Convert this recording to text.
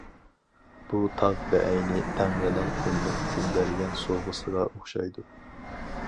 بۇ تاغ بەئەينى تەڭرىنىڭ قۇملۇق ئۈچۈن بەرگەن سوۋغىسىغا ئوخشايدۇ.